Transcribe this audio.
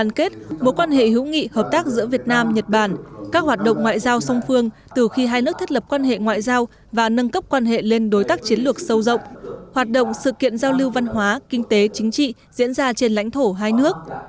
đoàn kết mối quan hệ hữu nghị hợp tác giữa việt nam nhật bản các hoạt động ngoại giao song phương từ khi hai nước thiết lập quan hệ ngoại giao và nâng cấp quan hệ lên đối tác chiến lược sâu rộng hoạt động sự kiện giao lưu văn hóa kinh tế chính trị diễn ra trên lãnh thổ hai nước